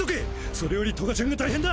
それよりトガちゃんが大変だ。